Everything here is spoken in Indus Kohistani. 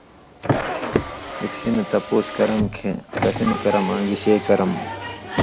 بِکسی نہ تپُوس کرم کِھیں کسی نہ کرم آں گِشے کرم۔